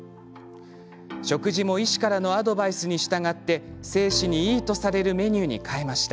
食事も医師からのアドバイスに従って精子にいいとされるメニューに替えました。